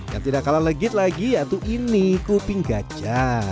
yang tidak kalah legit lagi yaitu ini kuping gajah